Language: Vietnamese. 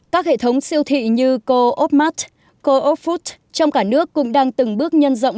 các hệ thống siêu thị như co opmat co op food trong cả nước cũng đang từng bước nhân rộng